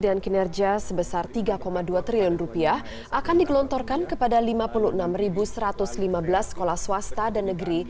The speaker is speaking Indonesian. dan kinerja sebesar rp tiga dua triliun akan digelontorkan kepada lima puluh enam satu ratus lima belas sekolah swasta dan negeri